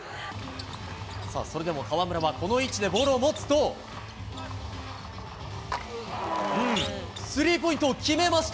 さあ、それでも河村はこの位置でボールを持つと、スリーポイントを決めました。